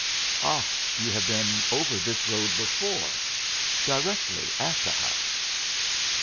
"Ah, you have been over this road before. Directly at the house."